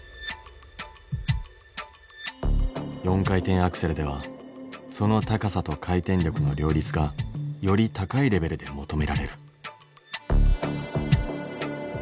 ４回転アクセルではその高さと回転力の両立がより高いレベルで求められる。